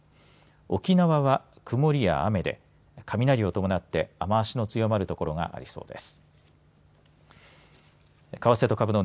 沖縄は曇りや雨で雷を伴って雨足の強まる所がありそうです。